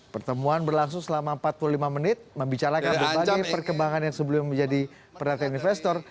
pertemuan berlangsung selama empat puluh lima menit membicarakan berbagai perkembangan yang sebelumnya menjadi perhatian investor